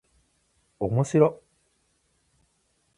おもしろっ